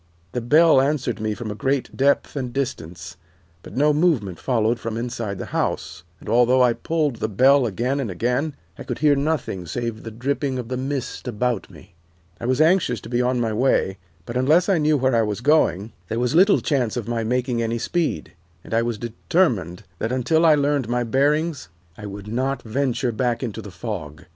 The bell answered me from a great depth and distance, but no movement followed from inside the house, and although I pulled the bell again and again I could hear nothing save the dripping of the mist about me. I was anxious to be on my way, but unless I knew where I was going there was little chance of my making any speed, and I was determined that until I learned my bearings I would not venture back into the fog.